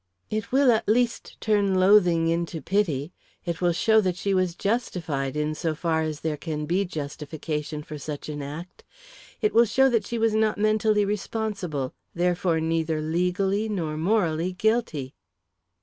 "It will at least turn loathing into pity; it will show that she was justified, in so far as there can be justification for such an act. It will show that she was not mentally responsible therefore neither legally nor morally guilty."